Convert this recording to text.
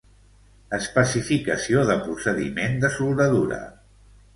Especificació de procediment de soldadura